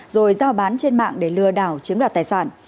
rồi giao bán trên mạng để lừa đảo chiếm đoạt tài sản